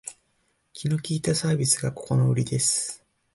気の利いたサービスがここのウリです